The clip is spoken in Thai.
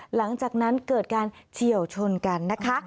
หลังจากนั้นเกิดการเฉียวชนกันนะคะ